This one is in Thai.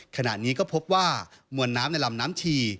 ขณะนี้ก็พบว่ามวลน้ำในลำน้ำชี